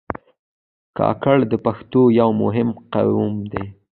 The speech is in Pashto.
کاکړ د پښتنو یو مهم قوم دی.